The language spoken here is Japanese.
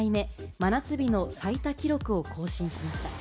真夏日の最多記録を更新しました。